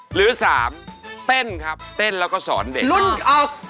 หรือสามเต้นครับเต้นแล้วก็สอนเด็ก